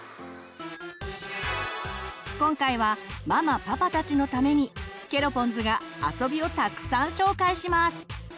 今回はママパパたちのためにケロポンズが遊びをたくさん紹介します！